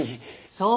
そう。